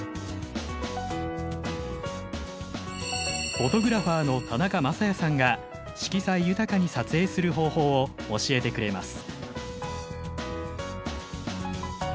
フォトグラファーの田中雅也さんが色彩豊かに撮影する方法を教えてくれます。